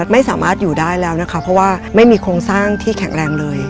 ไม่สามารถอยู่ได้แล้วนะคะเพราะว่าไม่มีโครงสร้างที่แข็งแรงเลย